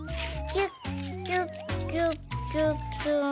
キュッキュッキュッキュッキュッ。